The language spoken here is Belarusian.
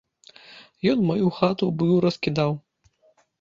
Ён маю хату быў раскідаў.